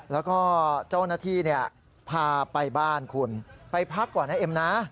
แล้วก็เจ้าหน้าที่พาไปบ้านคุณไปพักก่อนนะเอ็มนะ